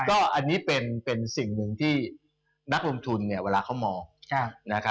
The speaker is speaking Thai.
ก็อันนี้เป็นสิ่งหนึ่งที่นักลงทุนเวลาเขามอง